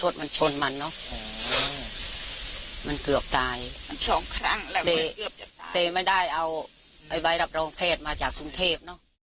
เตะไม่ได้เอาไอ้ใบรับโรงเพศมาจากกรุงเทพ